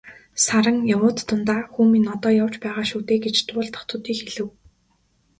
Саран явуут дундаа "Хүү минь одоо явж байгаа шүү дээ" гэж дуулдах төдий хэлэв.